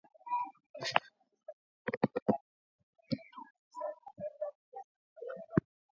Ikiwemo Wasukuma ni kabila kubwa zaidi Tanzania